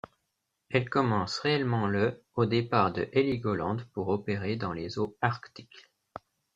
Elle commence réellement le au départ de Heligoland pour opérer dans les eaux arctiques.